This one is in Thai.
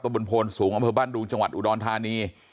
บนโพนสูงอำเภอบ้านดุงจังหวัดอุดรธานี